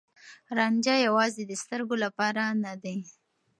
رانجه يوازې د سترګو لپاره نه دی.